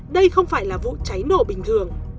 đây không phải là vụ cháy nổ bình thường